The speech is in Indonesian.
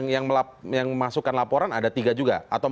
yang memasukkan laporan ada tiga juga atau empat